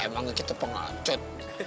emang kita penggecut